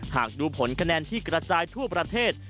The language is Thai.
หากดูผลคะแนนที่กระจายทั่วประเทศ